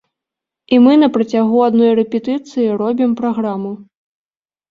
І мы на працягу адной рэпетыцыі робім праграму.